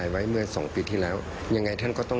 สวัสดีครับทุกคน